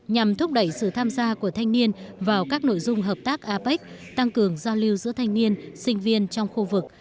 nhằm thúc đẩy sự tham gia của thanh niên vào các nội dung hợp tác apec tăng cường giao lưu giữa thanh niên sinh viên trong khu vực